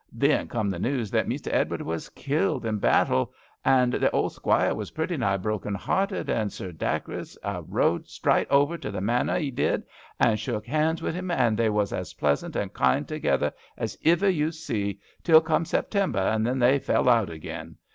Then come the news that Mester Edward was killed in battle, and th' old Squire was pretty nigh broken hearted ; and Sir Dacres 'a rode strite over to the Manor, 'a ded, and shook 'ands wi' un, and they was as pleasant and kind together as iver you see, till come September, and then they fell out again.